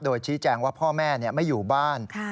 โดยชี้แจงว่าพ่อแม่ไม่อยู่บ้าน